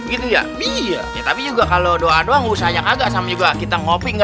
itu yakin iya tapi juga kalau doa doang usahanya kagak sama juga kita ngopi enggak